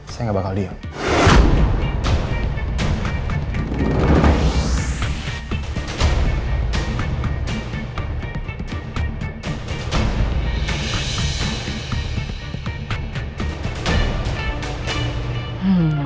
saya gak bakal diam